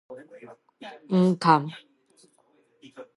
瞞崁